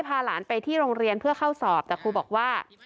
พาหลานไปที่โรงเรียนเพื่อเข้าสอบแต่ครูบอกว่า